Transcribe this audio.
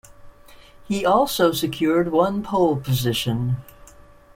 He also secured one pole position.